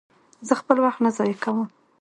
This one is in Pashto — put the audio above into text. زه خپل وخت نه ضایع کوم.